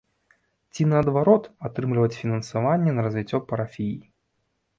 Ці наадварот, атрымліваць фінансаванне на развіццё парафіі.